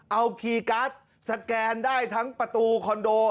เอาคีย์การ์ดสแกนได้ทั้งประตูคอนโด